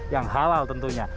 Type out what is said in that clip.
yang halal tentunya